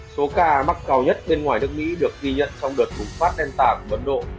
số ca mắc cao nhất bên ngoài nước mỹ được ghi nhận trong đợt khủng phát delta của ấn độ